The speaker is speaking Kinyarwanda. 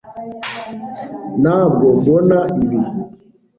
ntabwo mbona ibi